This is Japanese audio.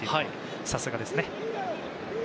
さすがですね。